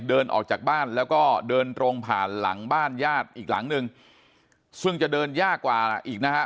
เดินออกจากบ้านแล้วก็เดินตรงผ่านหลังบ้านญาติอีกหลังนึงซึ่งจะเดินยากกว่าอีกนะฮะ